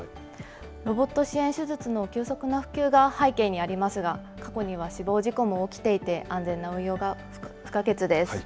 ロボット支援手術の急速な普及が背景にありますが、過去には死亡事故も起きていて、安全な運用が不可欠です。